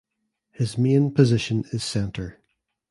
His main position is centre.